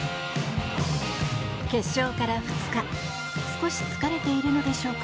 決勝から２日少し疲れているのでしょうか。